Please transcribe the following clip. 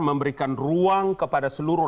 memberikan ruang kepada seluruh